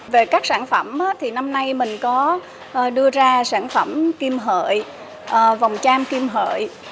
về các sản phẩm thì năm nay mình có đưa ra sản phẩm kim hợi vòng tram kim hợi